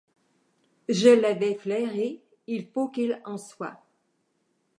Je l’avais flairé, il faut qu’il en soit.